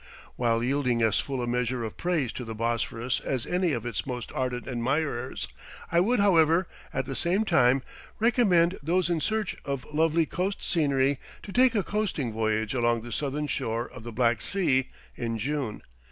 While yielding as full a measure of praise to the Bosphorus as any of its most ardent admirers, I would, however, at the same time, recommend those in search of lovely coast scenery to take a coasting voyage along the southern shore of the Black Sea in June.